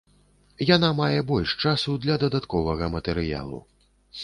Яна мае больш часу для дадатковага матэрыялу.